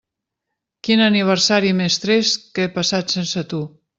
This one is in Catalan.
Quin aniversari més trist que he passat sense tu.